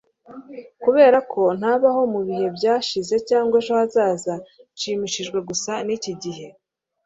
kuberako ntabaho mubihe byashize cyangwa ejo hazaza nshimishijwe gusa n'iki gihe